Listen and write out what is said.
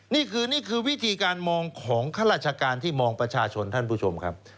นี่คือนี่คือวิธีการมองของข้าราชการที่มองประชาชนท่านผู้ชมครับ